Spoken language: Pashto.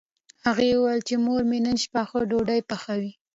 هغه وویل چې مور یې نن شپه ښه ډوډۍ پخوي